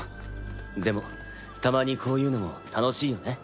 でもたまにこういうのも楽しいよね。